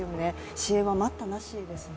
支援は待ったなしですね。